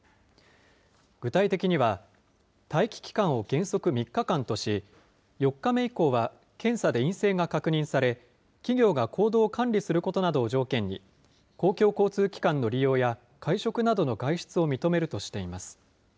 具体的には、待機期間を原則３日間とし、４日目以降は検査で陰性が確認され、企業が行動を管理することなどを条件に、公共交通機関の利用や会食などの外出を認めるとしています。